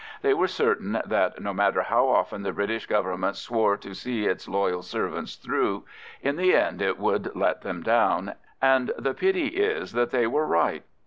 They were certain that, no matter how often the British Government swore to see its loyal servants through, in the end it would let them down, and the pity is that they were right.